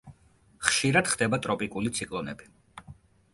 ხშირად ხდება ტროპიკული ციკლონები.